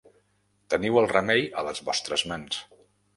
Teniu el remei a les vostres mans.